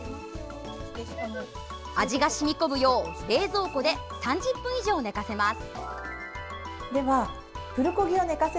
味が染み込むよう、冷蔵庫で３０分以上寝かせます。